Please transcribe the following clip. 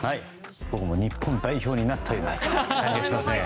僕も日本代表になったような感じがしますね。